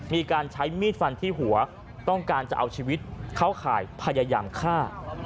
มีการใช้มีดฟันที่หัวต้องการจะเอาชีวิตเข้าข่ายพยายามฆ่า